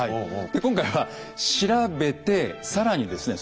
今回は調べて更にですね